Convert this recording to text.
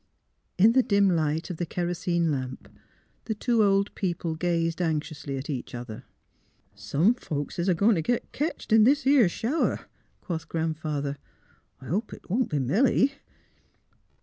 " In the dim light of the kerosene lamp, the two old people gazed anxiously at each other. 220 THE HEART OF PHH^UEA '' Some folks is a goin' t' git ketclied in this 'ere shower," quoth Grandfather. " Hope 'twon't be Milly."